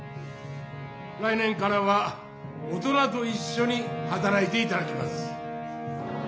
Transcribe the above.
来年からは大人といっしょにはたらいていただきます」。